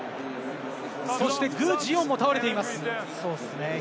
そして、具智元も倒れています。